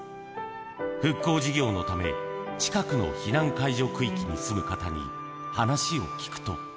復興事業のため、近くの避難解除区域に住む方に話を聞くと。